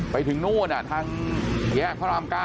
ไปถึงนู่นทางแยกพระราม๙